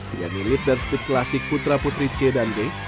pianilit dan speed classic putra putri c dan d